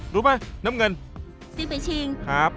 รู้ไหมน้ำเงินซีไปชิงครับ